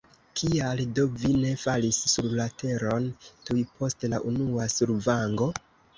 Kial do vi ne falis sur la teron tuj post la unua survango?